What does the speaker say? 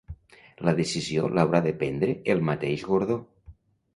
La decisió l'haurà de prendre el mateix Gordó